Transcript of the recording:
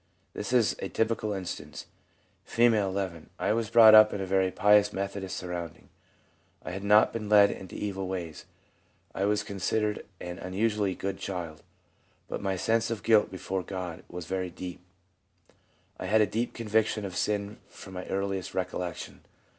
This is a typical instance: F., n. 'I was brought up in very pious Methodist surroundings. I had not been led into evil ways ; I was considered an unusually good child ; but my sense of guilt before God was very deep. I had a deep conviction of sin from my earliest recollection.